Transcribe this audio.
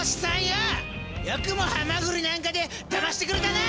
よくもハマグリなんかでだましてくれたな！